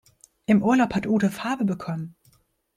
Im Urlaub hat Ute Farbe bekommen.